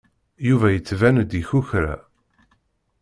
Yuba yettban-d ikukra.